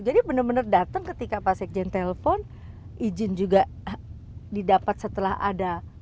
jadi bener bener datang ketika pak sekjen telpon izin juga didapat setelah ada